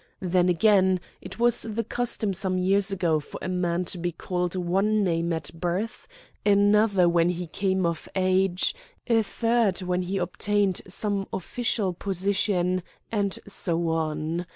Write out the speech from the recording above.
Then, again, it was the custom some years ago for a man to be called one name at birth, another when he came of age, a third when he obtained some official position, and so on.